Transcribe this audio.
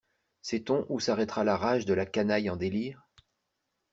Sait-on où s'arrêtera la rage de la canaille en délire?